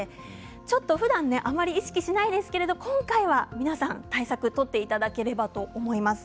ちょっとふだんあまり意識していませんけれども今回は対策を取っていただければと思います。